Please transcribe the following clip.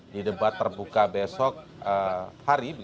di debat terbuka besok hari